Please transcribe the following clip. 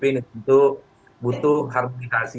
itu butuh harmonikasi